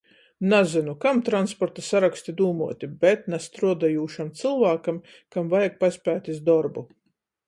Nazynu, kam transporta saroksti dūmuoti, bet na struodojūšam cylvākam, kam vajag paspēt iz dorbu.